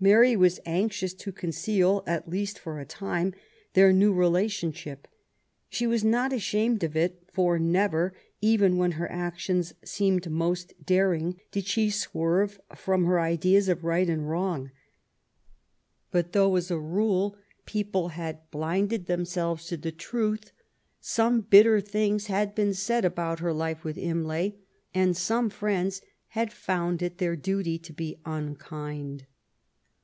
'^ Mary was anxious to conceal, at least for a time, their new relationship. She was not ashamed of it^ for never, even when her actions seem most daring, did she swerve from her ideas. of right and wrong. But though, as a rule, people had blinded themselves to the truth, some bitter things had been said about her life with Imlay, and some friends had found it their duty to be unkind.